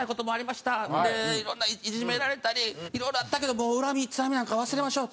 「いろんないじめられたりいろいろあったけど恨みつらみなんか忘れましょう」